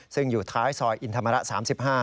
ซึ่งอยู่ท้ายซอยอินธรรมระ๓๕